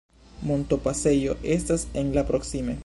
Montopasejo estas en la proksime.